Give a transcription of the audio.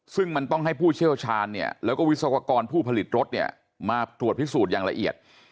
ซึ่งมันต้องให้ผู้เชี่ยวชาญเนี่ยแล้วก็วิศวกรผู้ผลิตรถเนี่ยมาตรวจพิสูจน์อย่างละเอียด